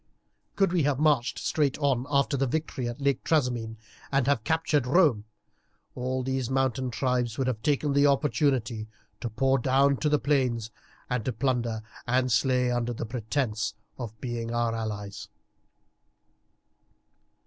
Could we have marched straight on after the victory at Lake Trasimene and have captured Rome, all these mountain tribes would have taken the opportunity to pour down into the plains to plunder and slay under the pretence of being our allies."